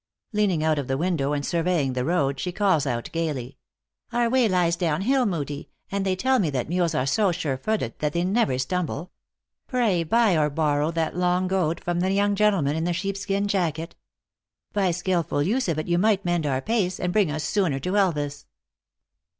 Lean ing out of the window, and surveying the road, she calls out gaily, " Our way lies down hill, Moodie, and they tell me that mules are so sure footed that they never stumble. Pray buy or borrow that long goad from the young gentleman in the sheep skin jacket. By skillful use of it you might mend our pace, and bring us sooner to Elvas."